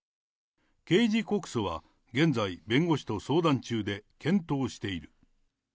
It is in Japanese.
刑事告訴は現在、弁護士と相談中で、検討している。